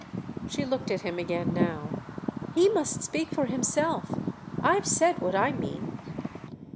She looked at him again now. "He must speak for himself. I've said what I mean."